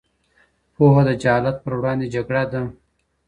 پوهه د جهالت پر وړاندې جګړه ده.